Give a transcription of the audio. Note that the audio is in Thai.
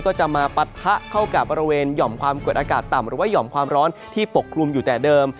ก็จะมาปะทะเข้ากับบริเวณหย่อมความกดอากาศต่ำหรือว่าหย่อมความร้อนที่ปกคลุมอยู่แต่เดิม